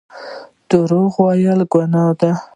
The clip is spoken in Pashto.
درواغ ویل ګناه ده